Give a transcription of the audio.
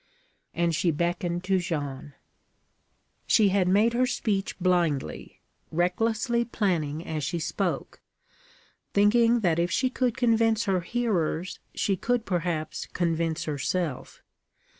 And she beckoned to Jeanne. She had made her speech blindly, recklessly planning as she spoke, thinking that if she could convince her hearers she could perhaps convince herself.